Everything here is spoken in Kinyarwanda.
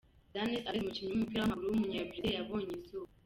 Dani Alves, umukinnyi w’umupira w’amaguru w’umunyabrazil yabonye izuba.